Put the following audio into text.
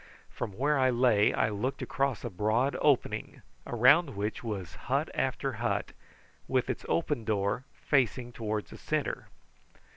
From where I lay I looked across a broad opening, around which was hut after hut, with its open door facing towards the centre.